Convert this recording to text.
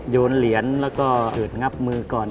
โยนเหรียญแล้วก็อืดงับมือก่อน